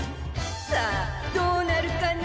さあどうなるかな？